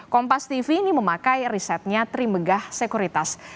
kompas tv ini memakai risetnya trimegah sekuritas